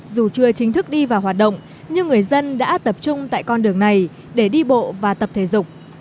dù chưa chính thức đi vào hoạt động nhưng người dân đã tập trung tại con đường này để đi bộ và tập thể dục